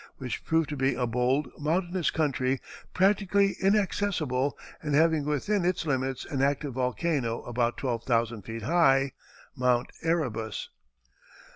which proved to be a bold, mountainous country, practically inaccessible and having within its limits an active volcano about twelve thousand feet high Mount Erebus.